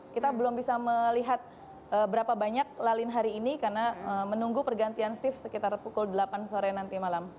kita belum bisa melihat berapa banyak lalin hari ini karena menunggu pergantian shift sekitar pukul delapan sore nanti malam